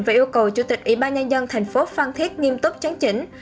và yêu cầu chủ tịch ủy ban nhân dân thành phố phan thiết nghiêm túc chấn chỉnh